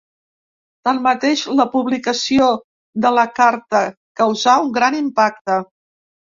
Tanmateix, la publicació de la carta causà un gran impacte.